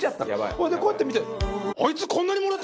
それでこうやって見て。